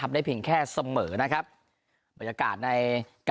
ไ